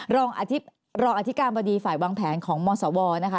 รองอธิการบดีฝ่ายวางแผนของมศวนะคะ